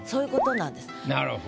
なるほど。